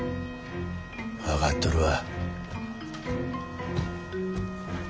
分かっとるわ。